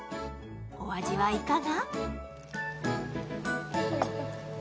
お味はいかが？